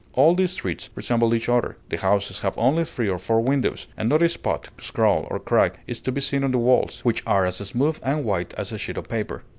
All the streets resemble each other; the houses have only three or four windows; and not a spot, scrawl, or crack is to be seen on the walls, which are as smooth and white as a sheet of paper.